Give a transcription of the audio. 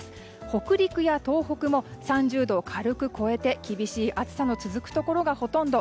北陸や東北も３０度を軽く超えて厳しい暑さの続くところがほとんど。